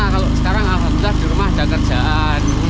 kalau sekarang alhamdulillah di rumah ada kerjaan